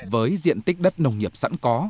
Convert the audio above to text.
với diện tích đất nông nghiệp sẵn có